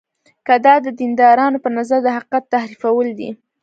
که دا د دیندارانو په نظر د حقیقت تحریفول دي.